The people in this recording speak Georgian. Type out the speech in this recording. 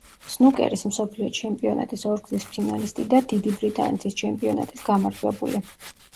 სნუკერის მსოფლიო ჩემპიონატის ორგზის ფინალისტი და დიდი ბრიტანეთის ჩემპიონატის გამარჯვებული.